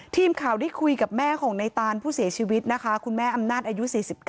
ทีมข่าวได้คุยกับแม่ของในตานผู้เสียชีวิตนะคะคุณแม่อำนาจอายุ๔๙